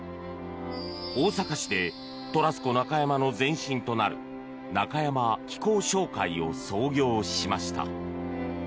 大阪市でトラスコ中山の前身となる中山機工商会を創業しました。